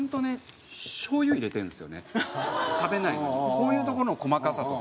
こういうとこの細かさとか。